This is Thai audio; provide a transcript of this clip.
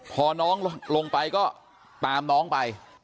พอน้องลงไปก็ตามน้องไป